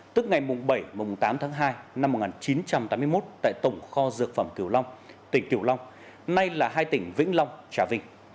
tức ngày mùng bảy và mùng tám tháng hai năm một nghìn chín trăm tám mươi một tại tổng kho dược phẩm kiều long tỉnh kiều long nay là hai tỉnh vĩnh long trà vinh